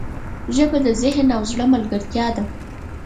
ژبه د ذهن او زړه ملګرتیا ده